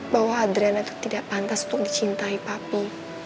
bahwa adrena itu tidak pantas untuk dicintai papi